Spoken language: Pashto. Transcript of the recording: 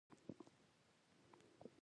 هغه چرسي وو او د ملایانو یو څه مخالف وو.